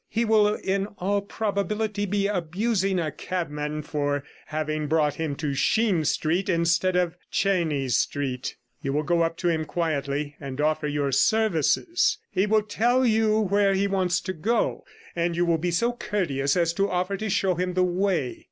He will in all probability be abusing a cabman for having brought him to Sheen Street instead of Chenies Street. You will go up to him quietly and offer your services; he will tell you where he wants to go, and you will be so courteous as to offer to show him the way.